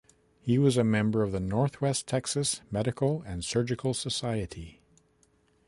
He was a member of the Northwest Texas Medical and Surgical Society.